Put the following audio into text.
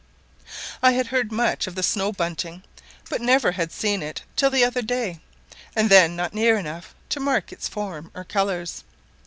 I had heard much of the snow bunting, but never had seen it till the other day, and then not near enough to mark its form or colours.